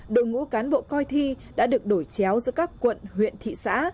đội ngũ cán bộ coi thi đã được đổi chéo giữa các quận huyện thị xã